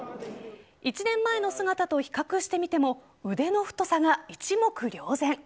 １年前の姿と比較してみても腕の太さが一目瞭然。